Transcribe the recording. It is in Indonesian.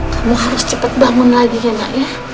kamu harus cepat bangun lagi ya nak ya